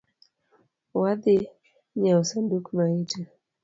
Wadhi nyieo sanduk maiti